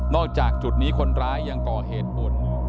จากจุดนี้คนร้ายยังก่อเหตุบ่น